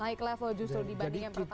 naik level justru dibanding yang pertama